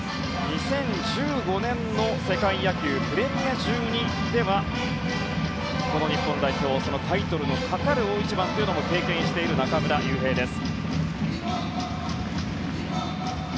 ２０１５年の世界野球プレミア１２では日本代表のタイトルのかかる大一番も経験している中村悠平です。